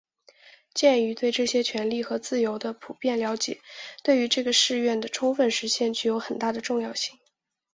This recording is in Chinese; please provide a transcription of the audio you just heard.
鉴于对这些权利和自由的普遍了解对于这个誓愿的充分实现具有很大的重要性